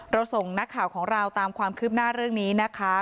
ส่งนักข่าวของเราตามความคืบหน้าเรื่องนี้นะคะ